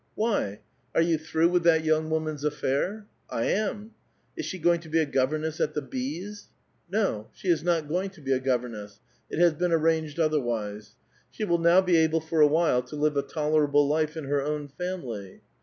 ''Wh3'? Are you through with that young woman's affair?" '' I am." " Is she going to be a governess at the B.s'? *'" No, she is not going to be a governess. It has been an'anged otherwise. She will now be able for a while to live a tolerable life in her own family."